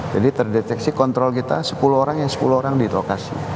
jadi terdeteksi kontrol kita sepuluh orang yang sepuluh orang di lokasi